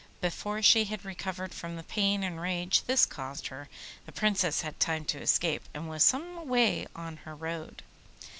Before she had recovered from the pain and rage this caused her, the Princess had time to escape, and was some way on her road.